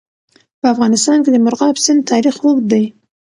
په افغانستان کې د مورغاب سیند تاریخ اوږد دی.